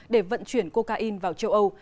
để vận chuyển cocaine vào châu âu